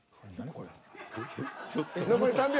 これ。